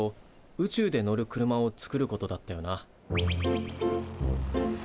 宇宙で乗る車を作ることだったよな。